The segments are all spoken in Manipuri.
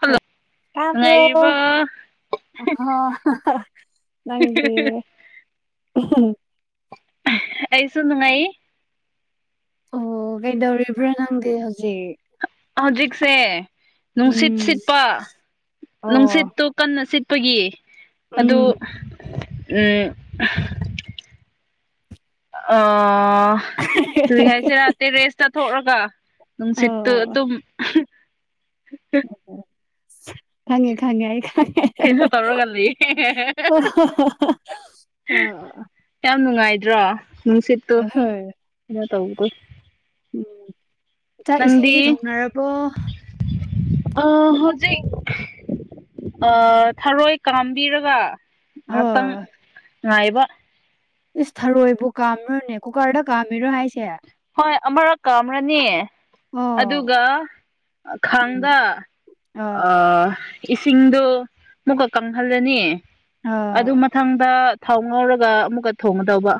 ꯍꯜꯂꯣ ꯍꯥꯜꯂꯣ ꯇꯕ꯭ꯔꯣ ꯅꯨꯡꯉꯥꯏꯔꯤꯕ [unintelligible] ꯅꯪꯒꯤ ꯑꯩꯁꯨ ꯅꯨꯡꯉꯥꯏꯌꯦ ꯑꯣ ꯀꯩꯗꯧꯔꯤꯕ꯭ꯔꯣ ꯅꯪꯗꯤ ꯍꯧꯖꯤꯛ ꯍꯧꯖꯤꯛꯁꯦ ꯅꯨꯡꯁꯤꯠ ꯎꯝ ꯁꯤꯠꯄ ꯑꯣ ꯅꯨꯡꯁꯤꯠꯇꯨ ꯀꯟꯅ ꯁꯤꯠꯄꯒꯤ ꯑꯗꯨ ꯎꯝ ꯎꯝ ꯑ ꯀ꯭ꯔꯤ ꯍꯥꯏꯁꯤꯔꯥ ꯇꯦꯔꯦꯁꯇ ꯊꯣꯛꯂꯒ ꯅꯨꯡꯁꯤꯠꯇꯨ ꯑꯣ ꯑꯗꯨꯝ ꯑꯣ ꯈꯪꯉꯦ ꯈꯪꯉꯦ ꯑꯩ ꯈꯪꯉꯦ ꯀꯩꯅꯣ ꯇꯧꯔꯒ ꯂꯩꯌꯦ ꯑꯣ ꯌꯥꯝ ꯅꯨꯡꯉꯥꯏꯗ꯭ꯔꯣ ꯅꯨꯡꯁꯤꯠꯇꯨ ꯑ ꯍꯣꯏ ꯀꯩꯅꯣꯇꯧꯕꯒꯤ ꯎꯝ ꯆꯥꯛ ꯏꯁꯤꯡꯗꯤ ꯊꯣꯡꯅꯔꯕꯣ ꯑ ꯍꯨꯖꯤꯛ ꯊꯔꯣꯏ ꯀꯥꯝꯕꯤꯔꯒ ꯑ ꯉꯛꯇꯪ ꯉꯥꯏꯕ ꯏꯁ ꯊꯔꯣꯏꯕꯨ ꯀꯥꯝꯔꯨꯅꯦ ꯀꯨꯀꯔꯗ ꯀꯥꯝꯃꯤꯔꯣ ꯍꯥꯏꯁꯦ ꯍꯣꯏ ꯑꯃꯔꯛꯀꯥꯝꯔꯅꯤ ꯑꯣ ꯑꯗꯨꯒ ꯎꯝ ꯈꯥꯡꯗ ꯑ ꯑꯥ ꯏꯁꯤꯡꯗꯣ ꯑꯃꯨꯛꯀ ꯀꯪꯍꯜꯂꯅꯤ ꯑꯗꯨ ꯑꯥ ꯃꯊꯪꯗ ꯊꯥꯎ ꯉꯧꯔꯒ ꯑꯃꯨꯛꯀ ꯊꯣꯡꯉꯗꯧꯕ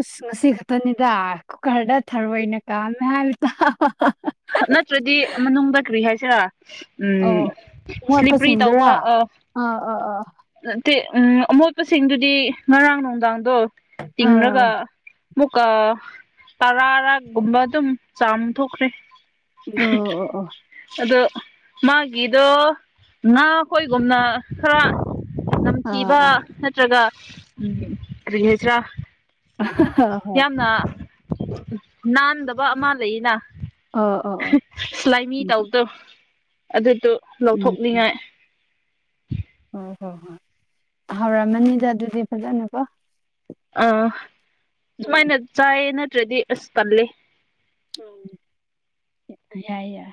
ꯑꯁ ꯉꯁꯤ ꯈꯛꯇꯅꯤꯗ ꯀꯨꯀꯔꯗ ꯊꯔꯣꯏꯅꯦ ꯀꯥꯝꯃꯦ ꯍꯥꯏꯕ ꯇꯥꯕꯥ ꯅꯠꯇ꯭ꯔꯗꯤ ꯃꯅꯨꯡꯗ ꯀꯔꯤ ꯍꯥꯏꯁꯤꯔꯥ ꯎꯝ ꯑꯧ ꯁ꯭ꯂꯤꯄ꯭ꯔꯤ ꯃꯣꯠꯄꯁꯤꯡꯗꯨꯔꯥ ꯇꯧꯕ ꯑꯥ ꯑꯥ ꯑ ꯅꯠꯇꯦ ꯎꯝ ꯑꯃꯣꯠꯄꯁꯤꯡꯗꯨꯗꯤ ꯉꯔꯥꯡ ꯅꯨꯡꯗꯥꯡꯗꯣ ꯑꯥ ꯇꯤꯡꯔꯒ ꯑꯃꯨꯛꯀ ꯇꯔꯥꯔꯛꯒꯨꯝꯕ ꯑꯗꯨꯝ ꯆꯥꯝꯊꯣꯛꯈ꯭ꯔꯦ ꯑꯣ ꯑꯣ ꯑꯣ ꯑꯗꯣ ꯃꯥꯒꯤꯗꯣ ꯉꯥꯈꯣꯏꯒꯨꯝꯅ ꯈꯔ ꯑꯥ ꯇꯝꯊꯤꯕ ꯑꯥ ꯅꯠꯇ꯭ꯔꯒ ꯎꯝ ꯀ꯭ꯔꯤꯍꯥꯏꯁꯤꯔꯥ ꯍꯣꯏ ꯌꯥꯝꯅ ꯅꯥꯟꯗꯕ ꯑꯃ ꯂꯩꯌꯦꯅ ꯑꯣ ꯑꯣ ꯑꯣ ꯁꯂꯥꯏꯃꯤ ꯎꯝ ꯇꯧꯗꯣ ꯑꯗꯨꯗꯣ ꯎꯝ ꯂꯧꯊꯣꯛꯅꯤꯡꯉꯥꯏ ꯍꯣꯏ ꯍꯣꯏ ꯍꯣꯏ ꯍꯧꯔꯝꯃꯅꯤꯗ ꯑꯗꯨꯗꯤ ꯐꯖꯅꯀꯣ ꯑꯥ ꯎꯝ ꯁꯨꯃꯥꯏꯅ ꯆꯥꯏꯌꯦ ꯅꯠꯇ꯭ꯔꯗꯤ ꯑꯁ ꯄꯜꯂꯦ ꯎꯝ [unintelligible] ꯌꯥꯏ ꯌꯥꯏ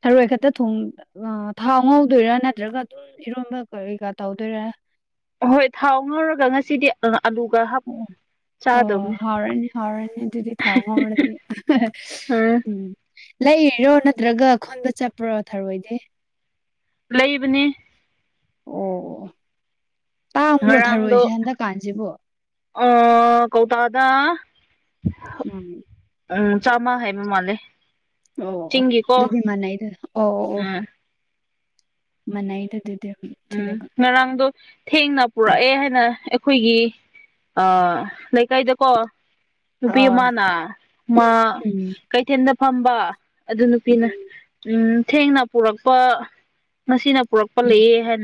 ꯁꯔꯣꯏ ꯈꯛꯇ ꯊ ꯊꯥꯎ ꯉꯧꯗꯣꯏꯔꯥ ꯅꯠꯇ꯭ꯔꯒ ꯑꯗꯨꯝ ꯏꯔꯣꯝꯕ ꯏꯒ ꯇꯧꯗꯣꯏꯔꯦ ꯑꯍꯣꯏ ꯊꯥꯎ ꯉꯧꯔꯒ ꯉꯁꯤꯗꯤ ꯎ ꯑꯗꯨꯒ ꯑꯣ ꯑꯣ ꯍꯧꯥꯎꯔꯅꯤ ꯍꯥꯎꯔꯅꯤ ꯑꯗꯨꯗꯤ ꯊꯥꯎꯍꯧꯔꯁꯤ ꯎꯝ ꯂꯩꯏꯔꯣ ꯅꯠꯇ꯭ꯔꯒ ꯈꯣꯟꯕ ꯆꯠꯄ꯭ꯔꯣ ꯊꯔꯑꯣꯣꯏꯗꯤ ꯂꯩꯕꯅꯤ ꯑꯣ ꯇꯥꯡꯕ꯭ꯔꯣ ꯊꯔꯣꯏꯁꯦ ꯍꯟꯗꯛꯀꯥꯟꯁꯤꯕꯨ ꯑ ꯀꯧꯇꯥꯗ ꯎꯝ ꯎꯝ ꯆꯃ ꯍꯥꯏ ꯍꯥꯏꯃ ꯃꯥꯦ ꯑꯣ ꯑꯣ ꯑꯗꯨꯗꯤ ꯃꯥꯟꯅꯩꯗ ꯑꯣ ꯑꯣ ꯑꯣ ꯎꯝ ꯃꯅꯩꯗ ꯑꯗꯨꯗꯦ ꯎꯝ ꯆꯤꯗꯒ ꯉꯔꯥꯡꯗꯣ ꯊꯦꯡꯅ ꯄꯨꯔꯛꯑꯦ ꯍꯥꯏꯅ ꯑꯩꯈꯣꯏꯒꯤ ꯂꯩꯀꯥꯏꯗꯀꯣ ꯅꯨꯄꯤ ꯑꯥ ꯑꯃꯅ ꯃꯥ ꯎꯝ ꯀꯩꯊꯦꯜꯗ ꯐꯝꯕ ꯑꯗꯨ ꯅꯨꯄꯤꯅ ꯎꯝ ꯎꯝ ꯊꯦꯡꯅ ꯄꯨꯔꯛꯄ ꯉꯁꯤꯅ ꯄꯨꯔꯛꯄ ꯎꯝ ꯂꯩꯌꯦ ꯍꯥꯏ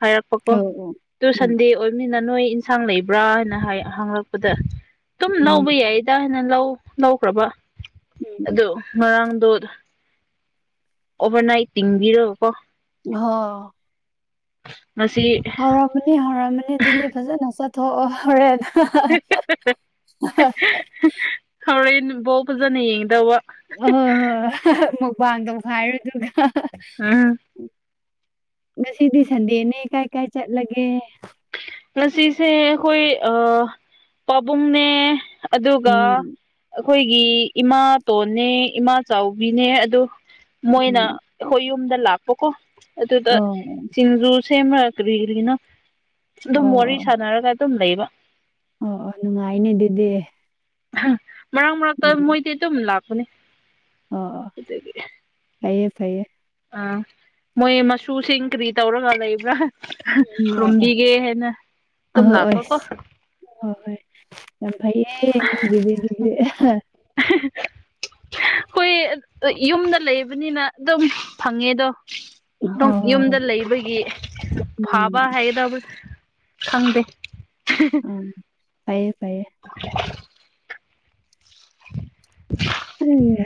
ꯍꯔꯄꯀꯣ ꯑꯣ ꯑꯣ ꯇꯨ ꯎꯝ ꯁꯟꯗꯦ ꯑꯣꯏꯕꯅꯤꯅ ꯅꯣꯏ ꯏꯟꯁꯥꯡ ꯂꯩꯕ꯭ꯔꯥ ꯍꯥꯏꯅ ꯍꯪꯂꯛꯄꯗ ꯑꯗꯨꯝ ꯎꯝ ꯂꯧꯕ ꯌꯥꯏ ꯍꯈꯤꯇ ꯍꯦꯟꯅ ꯂꯧ ꯂꯧꯈ꯭ꯔꯕ ꯎꯝ ꯑꯗꯣ ꯉꯔꯥꯡꯗꯣ ꯑꯣꯚꯔꯅꯥꯏꯠ ꯊꯤꯡꯕꯤꯔꯣ ꯀꯣ ꯍ ꯃꯁꯤꯁꯤ ꯍꯧꯔꯝꯃꯅꯤ ꯍꯧꯔꯝꯃꯅꯤ ꯑꯗꯨꯗꯤ ꯐꯖꯅ ꯆꯠꯊꯣꯛ ꯍꯣꯔꯦ [unintelligible] ꯍꯣꯔꯦꯟ ꯕꯥꯎ ꯐꯖꯅ ꯌꯦꯡꯗꯕ ꯑꯣ ꯃꯨꯕꯥꯗ ꯍꯥꯏꯔꯗꯨꯒ ꯎꯝ ꯉꯁꯤꯗꯤ ꯁꯟꯗꯦꯅꯦ ꯀꯥꯏ ꯀꯥꯏ ꯆꯠꯂꯒꯦ ꯉꯁꯤꯁꯦ ꯑꯩꯈꯣꯏ ꯑ ꯄꯥꯕꯨꯡꯅꯦ ꯑꯗꯨꯒ ꯎꯝ ꯑꯩꯈꯣꯏꯒꯤ ꯏꯃꯥ ꯇꯣꯟꯅꯦ ꯏꯃꯥ ꯆꯥꯎꯕꯤꯅꯦ ꯑꯗ ꯃꯣꯏꯅ ꯎꯝ ꯑꯩꯈꯣꯏ ꯌꯨꯝꯗ ꯂꯥꯛꯄꯀꯣ ꯑꯗꯨꯗ ꯑꯣ ꯁꯤꯡꯖꯨ ꯁꯦꯝꯃ ꯀꯔꯤ ꯀꯒꯤꯅꯣ ꯑꯣ ꯑꯗꯨꯝ ꯋꯥꯔꯤ ꯑꯣ ꯁꯥꯟꯅꯔꯒ ꯑꯗꯨꯝ ꯂꯩꯕ ꯑꯣ ꯑꯣ ꯅꯨꯡꯉꯥꯏꯅꯦ ꯑꯗꯨꯗꯤ ꯃꯔꯛ ꯃꯔꯛꯇ ꯎꯝ ꯃꯣꯏꯗꯤ ꯑꯗꯨꯝ ꯂꯥꯛꯄꯅꯦ ꯑꯗꯨꯒꯤ ꯐꯥꯏꯌꯦ ꯐꯥꯏꯌꯦ ꯑꯥ ꯃꯣꯏ ꯃꯆꯨꯁꯤꯡ ꯀꯔꯤ ꯇꯧꯔꯒ ꯂꯩꯕ꯭ꯔꯥ ꯎꯝ ꯑꯣ ꯑꯣ ꯔꯨꯝꯕꯤꯒꯦ ꯍꯥꯏꯦꯅ ꯇꯝ ꯑꯍꯣꯏ ꯂꯅꯥꯀꯣ ꯀꯣ ꯍꯣꯏ ꯍꯣꯏ ꯌꯥꯝ ꯐꯩꯌꯦ [unintelligible] ꯍꯣꯏ ꯌꯨꯝꯗ ꯂꯩꯕꯅꯤꯅ ꯑꯗꯨꯝ ꯐꯪꯉꯦꯗꯣ ꯑꯗꯨꯝ ꯍꯣꯏ ꯌꯨꯝꯗ ꯍꯣꯏ ꯂꯩꯕꯒꯤ ꯎꯝ ꯐꯥꯕ ꯍꯥꯏꯒꯗꯕ ꯈꯪꯗꯦ ꯐꯌꯦ ꯐꯌꯦ [inaudible] [inaudible] ꯎ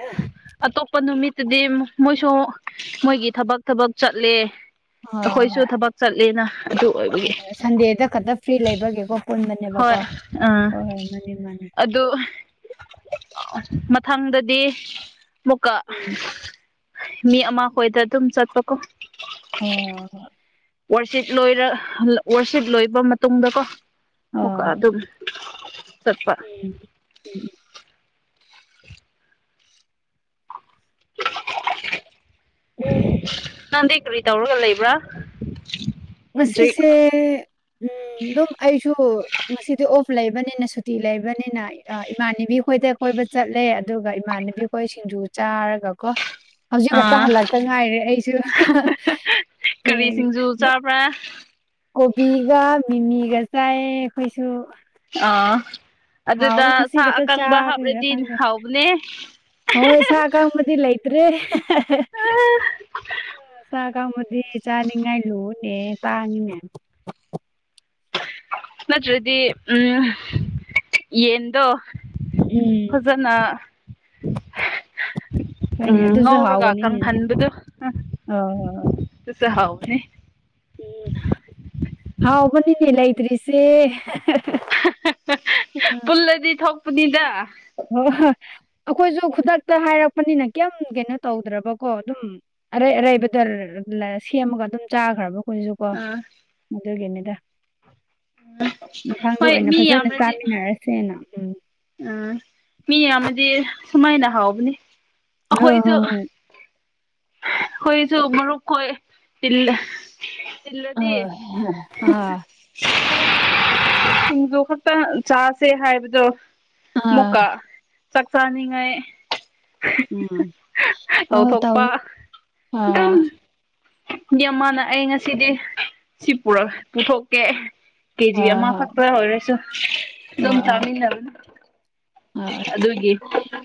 ꯑꯇꯣꯞꯄ ꯅꯨꯃꯤꯠꯇꯨꯗꯤ ꯃꯣꯏꯁꯨ ꯃꯣꯏꯒꯤ ꯊꯕꯛ ꯊꯕꯛ ꯆꯠꯂꯦ ꯑꯩꯈꯣꯏꯁꯨ ꯍꯣꯏ ꯊꯕꯛ ꯆꯠꯂꯦꯅ ꯑꯗꯨ ꯑꯣꯏꯕꯒꯤ ꯁꯟꯗꯦꯗ ꯈꯛꯇ ꯐ꯭ꯔꯤ ꯂꯩꯕꯒꯦꯀꯣ ꯍꯣꯏ ꯄꯨꯟꯕꯅꯦꯕꯀꯣ ꯑꯥ ꯍꯣꯏ ꯍꯣꯏ ꯃꯥꯅꯤ ꯃꯥꯅꯤ ꯑꯗꯨ ꯃꯊꯪꯗꯗꯤ ꯑꯃꯨꯛꯀ ꯎꯝ ꯃꯤ ꯑꯃꯈꯣꯏꯗ ꯑꯗꯨꯝ ꯆꯠꯄ ꯀꯣ ꯑꯣ ꯋꯥꯔꯁꯤꯠ ꯂꯣꯏꯔ ꯋꯥꯔꯁꯤꯞ ꯂꯣꯏꯕ ꯃꯇꯨꯡꯗꯀꯣꯨꯀ ꯑꯣ ꯑꯗꯨꯝ ꯆꯠꯄ ꯎꯝ ꯎꯝ ꯅꯥꯟꯗꯩ ꯀꯔꯤ ꯇꯧꯔꯒ ꯂꯩꯕ꯭ꯔꯥ ꯍꯧꯖꯤꯛ ꯉꯁꯤꯁꯦ ꯎꯝ ꯑꯗꯨꯝ ꯑꯩꯁꯨ ꯃꯁꯤꯗꯤ ꯑꯣꯐ ꯂꯩꯕꯅꯤꯅ ꯁꯨꯇꯤ ꯂꯩꯕꯅꯤꯅ ꯏꯃꯥꯟꯅꯕꯤ ꯈꯣꯏꯗ ꯀꯣꯏꯕ ꯆꯠꯂꯦ ꯑꯗꯨꯒ ꯏꯃꯥꯟꯅꯕꯤ ꯑꯩꯈꯣꯏ ꯁꯤꯡꯖꯨ ꯆꯥꯔꯒꯀꯣ ꯍꯧꯖꯤꯛ ꯈꯛꯇ ꯑꯥ ꯍꯜꯂꯛꯇ ꯉꯥꯏꯔꯦ ꯑꯩꯁꯨ ꯍ ꯌꯨ ꯇꯥ ꯄ꯭ꯔꯥ ꯀꯣꯕꯤꯒ ꯃꯤꯃꯤꯒ ꯆꯥꯏꯑ ꯑꯩꯈꯣꯏꯁꯨ ꯑ ꯑꯗꯨꯗ ꯍꯥꯎꯋꯦ ꯉꯁꯤ ꯁꯥ ꯈꯛꯇ ꯑꯀꯪꯕ ꯆꯥꯕꯒꯤꯔ ꯍꯥꯞꯂꯗꯤ ꯈꯪꯗꯦ ꯍꯥꯎꯕꯅꯦ ꯍꯣꯏ ꯁꯥꯒꯕꯗꯤ ꯂꯩꯇ꯭ꯔꯦ ꯆꯥꯛ ꯀꯥꯡꯕꯨꯗꯤ ꯆꯥꯅꯤꯡꯉꯥꯏ ꯂꯨꯅꯦ ꯇꯥꯡꯉꯤꯅꯦ ꯅꯠꯇ꯭ꯔꯗꯤ ꯎꯝ ꯌꯦꯗꯣ ꯎꯝ ꯐꯖꯅ ꯎꯝ ꯍꯣꯏꯅꯦ ꯑꯗꯨꯁꯨ ꯉꯧꯔꯒ ꯍꯥꯎꯒꯅꯤꯅꯦ ꯀꯪꯍꯟꯕꯗꯣ ꯍꯣꯏ ꯍꯣꯏ ꯑꯗꯨꯁꯨ ꯍꯥꯎꯅꯤ ꯎꯝ ꯍꯥꯎꯕꯅꯤꯅꯦ ꯂꯩꯇ꯭ꯔꯤꯁꯦ ꯄꯨꯜꯂꯗꯤ ꯊꯣꯛꯄꯅꯤꯗ ꯍ ꯍꯣꯏ ꯑꯩꯈꯣꯏꯁꯨ ꯈꯨꯗꯛꯇ ꯍꯥꯏꯔꯛꯄꯅꯤꯅ ꯀꯌꯥꯝꯝ ꯀꯩꯅꯣ ꯇꯧꯗ꯭ꯔꯕꯀꯣ ꯑꯗꯨꯝ ꯑꯔꯩ ꯑꯔꯩꯕꯗ ꯁꯦꯝꯃꯒ ꯑꯗꯨꯝ ꯆꯥꯈ꯭ꯔꯕ ꯑꯩꯈꯣꯏꯁꯨ ꯑ ꯎꯝ ꯃꯗꯨꯒꯗ ꯃꯊꯪꯗ ꯍꯣꯏ ꯑꯣꯏꯅ ꯃꯤ ꯐꯖꯅ ꯌꯥꯝꯔꯗꯤ ꯆꯥꯃꯤꯟꯅꯔꯁꯦꯅ ꯎꯝ ꯎꯝ ꯃꯤ ꯑꯃꯗꯤ ꯁꯨꯃꯥꯏꯅ ꯍꯥꯎꯕꯅꯤ ꯑꯣ ꯍ ꯍ ꯑꯩꯈꯣꯏꯁꯨ ꯍꯈꯣꯏꯁꯨ ꯃꯔꯨꯞꯈꯣꯏ ꯑ ꯇꯤꯜꯂꯗꯤ ꯑꯥ ꯁꯤꯡꯖꯨ ꯈꯛꯇ ꯆꯥꯁꯦ ꯍꯥꯏꯕꯗꯣ ꯑꯥ ꯃꯨꯀꯥ ꯆꯛꯁꯥꯅꯤꯉꯥꯏ ꯎꯝ ꯑꯣ ꯍ ꯇ ꯄ ꯑ ꯃꯤꯑꯃꯅ ꯑꯩ ꯉꯁꯤꯗꯤ ꯁꯤ ꯄꯨꯊꯣꯛꯀꯦ ꯀꯦꯖꯤ ꯑꯃꯈꯛꯛꯇ ꯑꯣꯏꯔꯁꯨ ꯑꯗꯨꯝ ꯆꯥꯃꯤꯟꯅꯕꯅ ꯍꯣꯏ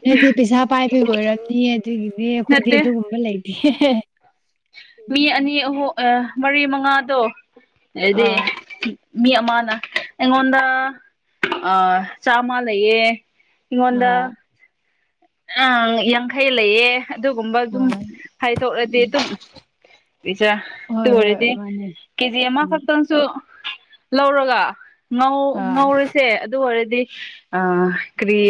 ꯅꯣꯏꯗꯤ ꯄꯩꯁꯥ ꯄꯥꯏꯕꯤꯈ ꯑꯣꯏꯔꯅꯤ ꯑꯗꯨꯒꯤꯅꯦ ꯑꯩꯈꯣꯏꯗꯤ ꯅꯠꯇꯦ ꯑꯗꯨꯒꯨꯝꯕ ꯂꯩꯇꯦ ꯃꯤ ꯎꯝ ꯑꯅꯤ ꯑꯍꯨꯝ ꯃꯔꯤ ꯃꯉꯥꯗꯣ ꯍꯥꯏꯗꯤ ꯑꯥ ꯃꯤ ꯑꯃꯅ ꯑꯩꯉꯣꯟꯗ ꯑ ꯆꯥꯃ ꯂꯩꯌꯦ ꯏꯉꯣꯟꯗ ꯑꯥ ꯑꯪ ꯌꯥꯡꯈꯩ ꯂꯩꯌꯦ ꯑꯗꯨꯒꯨꯝꯕ ꯑꯗꯨꯝ ꯑꯥ ꯍꯥꯏꯗꯣꯛꯂꯗꯤ ꯎꯝ ꯑꯗꯨꯝ ꯄꯤꯖꯔ ꯑꯗꯨ ꯍꯣꯏ ꯍꯣꯏ ꯑꯣꯏꯔꯗꯤ ꯃꯥꯅꯦ ꯀꯦꯖꯤ ꯎꯝ ꯑꯃꯈꯛꯇꯪꯁꯨ ꯂꯧꯔꯒ ꯉꯧ ꯑꯥ ꯉꯧꯔꯤꯁꯦ ꯑꯗꯨ ꯑꯣꯏꯔꯗꯤ ꯀ꯭ꯔꯤ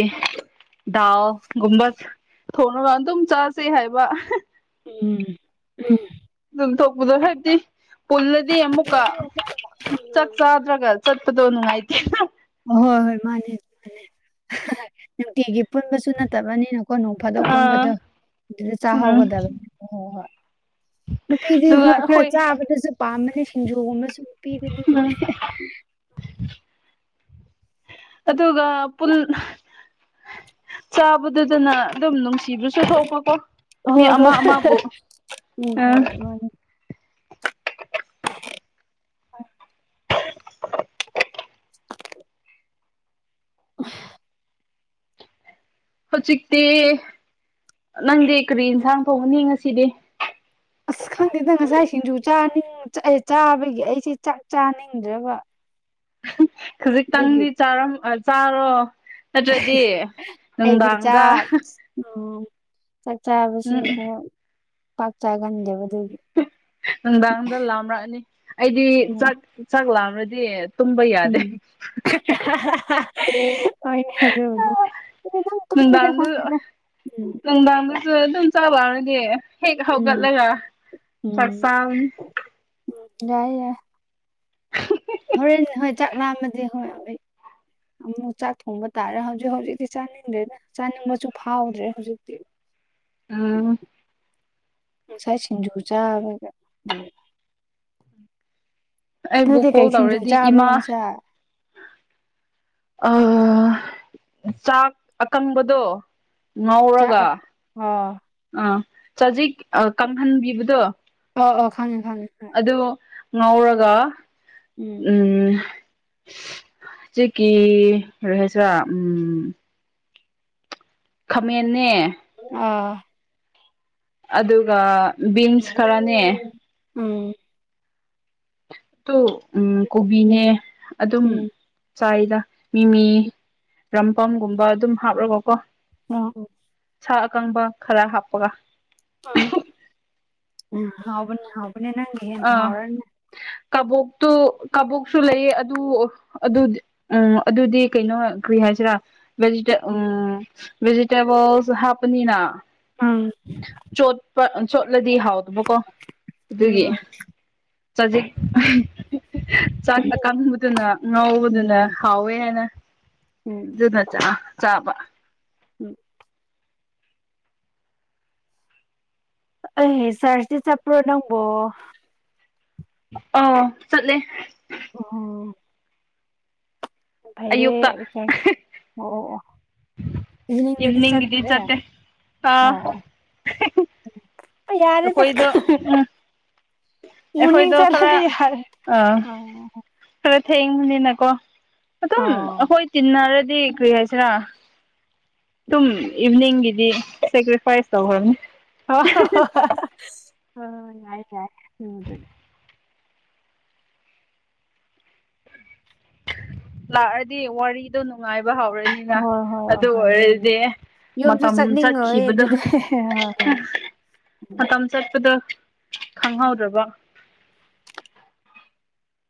ꯗꯥꯎ ꯒꯨꯝꯕ ꯊꯣꯡꯅꯕ ꯑꯗꯨꯝ ꯆꯥꯥꯁꯩ ꯍꯥꯏꯕ ꯎꯝ ꯎꯝ ꯑꯗꯨꯝ ꯊꯣꯛꯄꯗꯣ ꯍꯥꯏꯕꯗꯤ ꯄꯨꯜꯂꯗꯤ ꯑꯃꯨꯛꯀ ꯆꯠ ꯆꯗ꯭ꯔꯒ ꯆꯠꯄꯗꯣ ꯅꯨꯡꯉꯥꯏꯇ ꯑ ꯍꯣꯏ ꯍꯣꯏ ꯃꯥꯅꯦ ꯃꯥꯅꯦ ꯅꯨꯡꯇꯤꯒꯤ ꯄꯨꯟꯕꯁꯨ ꯅꯠꯇꯕꯅꯤꯅ ꯀꯣꯅꯨꯡ ꯐꯥꯗꯣꯛ ꯑꯥ ꯄꯨꯟꯕꯗꯣ ꯑꯗꯨꯗ ꯎꯝ ꯆꯥꯍꯧꯒꯗꯕꯅꯤ ꯍ ꯍꯣꯏ ꯍꯣꯏ ꯅꯨꯄꯤꯗꯤ ꯑꯗꯨꯒ ꯈꯔ ꯈꯔ ꯑꯩꯈꯣꯏ ꯆꯥꯕꯗꯁꯨ ꯄꯥꯝꯃꯅꯤ ꯁꯤꯡꯖꯨꯒꯨꯝꯕꯨ ꯄꯤꯗꯁꯨꯗꯦ ꯎꯝ ꯑꯗꯨꯒ ꯆꯥꯕꯗꯨꯗꯅ ꯑꯗꯨꯝ ꯅꯨꯡꯁꯤꯕꯁꯨ ꯆꯨꯊꯣꯛꯄꯀꯣ ꯃꯤ ꯍꯣꯏ ꯑꯃ ꯍꯣꯏ ꯑꯃꯕꯨ ꯎꯝ ꯑ ꯍꯣꯏ ꯃꯥꯅꯤ ꯑꯐ ꯍꯧꯖꯤꯛꯇꯤ ꯅꯪꯗꯤ ꯀꯔꯤ ꯏꯟꯁꯥꯡ ꯊꯣꯡꯒꯅꯤ ꯉꯁꯤꯗꯤ ꯑꯁ ꯈꯪꯗꯦꯗ ꯉꯁꯥꯏꯁꯤꯡꯁꯨ ꯆꯥꯅꯤꯡ ꯆꯥꯕꯒꯤ ꯑꯩꯁꯦ ꯆꯥꯛ ꯆꯥꯅꯤꯡꯗ꯭ꯔꯕ ꯑꯗꯨꯒꯤ ꯈꯖꯤꯛꯇꯪꯗꯤꯥꯔ ꯆꯥꯔꯣ ꯅꯠꯇ꯭ꯔꯗꯤ ꯑꯩꯗꯤ ꯅꯨꯡꯗꯥꯡꯗ ꯆꯥꯛ ꯎꯝ ꯆꯥꯛ ꯆꯥꯕꯁꯦ ꯎꯝ ꯈꯔ ꯄꯥꯛ ꯆꯒꯟꯗꯦꯕ ꯑꯗꯨꯒꯤ ꯅꯨꯡꯗꯥꯡꯗ ꯂꯥꯝꯔꯛꯑꯅꯤ ꯑꯩꯗꯤ ꯎꯝ ꯆꯥꯛ ꯆꯥꯛ ꯂꯥꯝꯔꯗꯤ ꯇꯨꯝꯕ ꯌꯥꯗꯦ [unintelligible] ꯍ‌ꯣꯏꯅ‌ꯦ ꯑꯗꯨꯕꯨꯗꯤ ꯑꯗꯨꯝ ꯇꯨꯝꯃꯤꯗ ꯅꯨꯡꯗꯥꯡꯔꯝꯗꯨ ꯈꯪꯗꯦꯗ ꯎꯝ ꯅꯨꯡꯗꯥꯡꯗꯁꯨ ꯑꯗꯨꯝ ꯆꯥꯛ ꯂꯥꯝꯔꯗꯤ ꯍꯦꯛ ꯎꯝ ꯍꯧꯒꯠꯂꯒ ꯆꯥꯛ ꯎꯝ ꯆꯥꯕꯅ ꯌꯥꯏ ꯌꯥ ꯍꯣꯔꯦꯟ ꯍꯣꯏ ꯆꯥꯛ ꯂꯥꯝꯃꯗꯤ ꯍꯣꯔ‌ꯦꯟ ꯑꯩ ꯑꯃꯨꯛ ꯆꯥꯛ ꯊꯣꯡꯕ ꯇꯥꯔꯦ ꯍꯧꯖꯤꯛ ꯍꯧꯖꯤꯛꯇꯤ ꯆꯥꯅꯤꯡꯗ꯭ꯔꯦꯗ ꯆꯥꯅꯤꯡꯕꯁꯨ ꯐꯥꯎꯗ꯭ꯔꯦ ꯍꯧꯖꯤꯛꯇꯤ ꯎꯝ ꯉꯁꯥꯏ ꯁꯤꯡꯖꯨ ꯆꯥꯕꯒ ꯗꯨꯏ ꯑꯩꯕꯨ ꯅꯣꯏꯗꯤ ꯀꯣꯜ ꯀꯩ ꯁꯤꯡꯖꯨ ꯇꯧꯔꯗꯤ ꯆꯥꯕ꯭ꯔꯣ ꯏꯃꯥ ꯉꯁꯥꯏ ꯑ ꯆꯥꯛ ꯑꯀꯪꯕꯗꯣ ꯆꯥꯛ ꯉꯧꯔꯒ ꯑꯥ ꯑꯥ ꯆꯖꯤꯛ ꯀꯪꯍꯟꯕꯤꯕꯗꯣ ꯑ ꯑꯣ ꯈꯪꯉ‌ꯦ ꯈꯪꯉꯦ ꯑꯗꯨ ꯉꯧꯔꯒ ꯎꯝ ꯎꯝ ꯆꯤꯀꯤ ꯔꯦꯁꯥ ꯎꯝ ꯈꯥꯃ‌ꯦꯟꯅꯦ ꯑꯥ ꯑꯗꯨꯒ ꯕꯤꯟꯁ ꯈꯔꯅꯦ ꯎꯝ ꯇꯨ ꯎꯝ ꯀꯣꯕꯤꯅꯦ ꯎꯝ ꯑꯗꯨꯝ ꯎꯝ ꯆꯥꯏꯗ ꯃꯤꯃꯤ ꯔꯝꯄꯝꯒꯨꯝꯕ ꯑꯗꯨꯝ ꯍꯥꯞꯔꯒꯀꯣ ꯑꯣ ꯑꯣ ꯁꯥ ꯑꯀꯪꯕ ꯈꯔ ꯍꯥꯞꯄꯒ ꯑ ꯍꯥꯎꯕꯅꯦ ꯍꯥꯎꯕꯅꯦ ꯅꯪ ꯑꯥ ꯀꯕꯣꯛꯇꯨ ꯀꯕꯣꯛꯁꯨ ꯂꯩꯌꯦ ꯑꯗꯨ ꯑꯗꯨ ꯎꯝ ꯑꯗꯨꯗꯤ ꯀꯩꯅꯣ ꯀꯔꯤ ꯍꯥꯏꯁꯤꯔꯥ ꯚꯦꯖꯤꯇꯦ ꯎꯝ ꯚꯦꯖꯤꯇꯦꯕꯜꯁꯨ ꯍꯥꯞꯄꯅꯤꯅ ꯎꯝ ꯆꯣꯠꯄ ꯆꯣꯠꯂꯗꯤ ꯍꯥꯎꯗꯨꯕꯀꯣ ꯑꯗꯨꯒꯤ ꯆꯖꯤꯛ ꯆꯥꯛ ꯑꯀꯪꯕꯗꯨꯅ ꯉꯧꯕꯗꯨꯅ ꯎꯝ ꯍꯥꯎꯋꯦ ꯍꯥꯏꯅ ꯎꯝ ꯑꯗꯨꯅ ꯆꯥ ꯆꯥꯕ ꯎꯝ ꯑ ꯆꯔꯁꯇꯤ ꯆꯠꯄ꯭ꯔꯣ ꯅꯪꯕꯣ ꯑꯣ ꯆꯠꯂꯦ ꯑꯣ ꯐꯥꯏꯌꯦ ꯑꯌꯨꯛꯇ [unintelligible] ꯑꯣ ꯑꯣ ꯏꯚꯤꯅꯤꯡꯗꯗꯤ ꯏꯚꯤꯅꯤꯡꯒꯤꯗꯤ ꯆꯠꯇ꯭ꯔꯦ ꯆꯠꯇꯦ ꯑꯥ ꯑꯣ ꯎ ꯑꯩ ꯌꯥꯔ‌ꯦꯗ ꯑꯩꯈꯣꯏꯗꯣ ꯈꯪ ꯎꯝ ꯃ‌ꯣꯔꯅꯤꯡ ꯑꯩꯈꯣꯏꯗꯣ ꯈꯔ ꯆꯠꯂꯗꯤ ꯌꯥꯔ‌ꯦ ꯑꯥ ꯈꯔ ꯊꯦꯡꯕꯅꯤꯅꯀꯣ ꯑꯗꯨꯝ ꯑꯣ ꯑꯩꯈꯣꯏ ꯇꯤꯟꯅꯔꯗꯤ ꯀꯔꯤ ꯍꯥꯏꯁꯤꯔꯥ ꯗꯨꯝ ꯏꯚꯅꯤꯡꯒꯤꯗꯤ ꯁꯦꯀ꯭ꯔꯤꯐꯥꯏꯁ ꯇꯧꯈ꯭ꯔꯕꯅꯤ ꯍ ꯍ ꯌꯥꯏ ꯌꯥꯏ [unintelligible] ꯂꯥꯛꯑꯗꯤ ꯋꯥꯔꯤꯗꯣ ꯅꯨꯡꯉꯥꯏꯕ ꯍꯧꯔꯅꯤꯅ ꯍꯣꯏ ꯍꯣꯏ ꯍꯣꯏ ꯑꯗꯨ ꯍꯣꯏ ꯑꯗꯨꯒꯤꯅꯦ ꯑꯣꯏꯔꯗꯤ ꯌꯨꯝꯁꯨ ꯃꯇꯝ ꯆꯠꯅꯤꯡꯉꯣꯏ ꯆꯠꯈꯤꯕꯗ‌ꯣ ꯑꯗꯨꯗꯤ ꯍꯣꯏ ꯍꯣꯏ ꯎꯝ ꯃꯇꯝ ꯆꯠꯄꯗ‌ꯣ ꯈꯪꯍꯧꯗ꯭ꯔꯕ